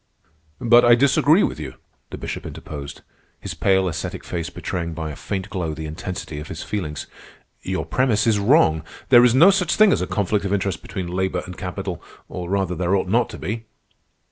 '" "But I disagree with you," the Bishop interposed, his pale, ascetic face betraying by a faint glow the intensity of his feelings. "Your premise is wrong. There is no such thing as a conflict of interest between labor and capital—or, rather, there ought not to be."